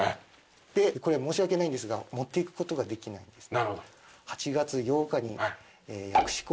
で申し訳ないんですが持っていくことができないんです。